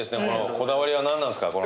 こだわりは何なんすか？